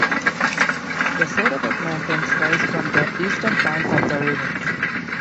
The Cederberg mountains rise from the eastern bank of the river.